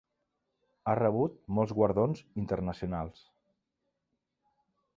Ha rebut molts guardons internacionals.